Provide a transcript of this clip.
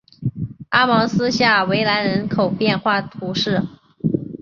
阿芒斯下韦兰人口变化图示